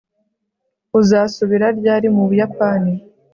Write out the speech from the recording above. uzasubira ryari mu buyapani